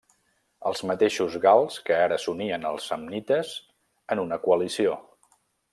Els mateixos gals que ara s'unien als samnites en una coalició.